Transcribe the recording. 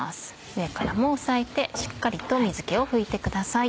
上からも押さえてしっかりと水気を拭いてください。